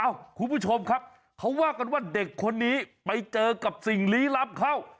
คุณผู้ชมครับเขาว่ากันว่าเด็กคนนี้ไปเจอกับสิ่งลี้ลับเข้า